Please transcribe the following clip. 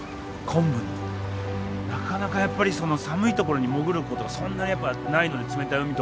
なかなかやっぱり寒いところに潜ることがそんなやっぱないので冷たい海とかに。